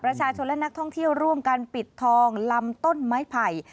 ประชาชนและนักท่องเที่ยวร่วมกันปิดทองลำต้นไม้ไผ่